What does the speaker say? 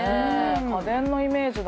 家電のイメージが。